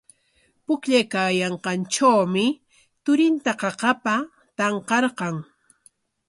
Pukllaykaayanqantrawmi turinta qaqapa tanqarqan.